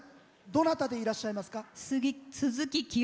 どなたでいらっしゃいますか？